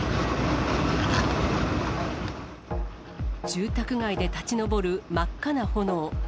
住宅街で立ち上る真っ赤な炎。